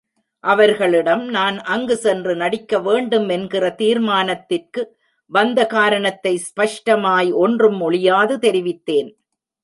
அவர்களிடம் நான் அங்கு சென்று நடிக்க வேண்டும் என்கிற தீர்மானத்திற்கு வந்த காரணத்தை ஸ்பஷ்டமாய் ஒன்றும் ஒளியாது தெரிவித்தேன்.